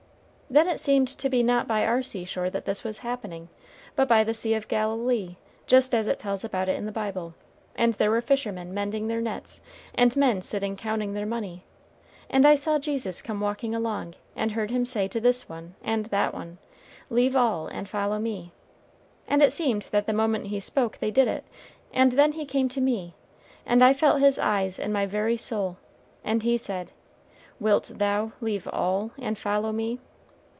"Then it seemed to be not by our seashore that this was happening, but by the Sea of Galilee, just as it tells about it in the Bible, and there were fishermen mending their nets, and men sitting counting their money, and I saw Jesus come walking along, and heard him say to this one and that one, 'Leave all and follow me,' and it seemed that the moment he spoke they did it, and then he came to me, and I felt his eyes in my very soul, and he said, 'Wilt thou leave all and follow me?'